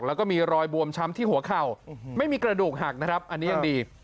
แล้วก็มีรอยบวมช้ำที่หัวเข่าไม่มีกระดูกหักนะครับอันนี้ยังดี